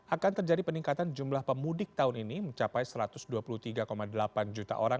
akan terjadi peningkatan jumlah pemudik tahun ini mencapai satu ratus dua puluh tiga delapan juta orang